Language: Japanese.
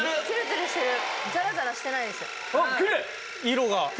色が。